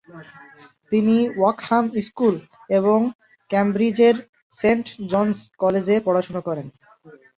তিনি Oakham school এবং ক্যামব্রিজের সেন্ট জন'স কলেজে পড়াশোনা করেন।